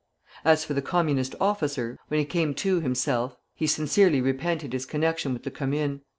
As for the Communist officer, when he came to himself he sincerely repented his connection with the Commune.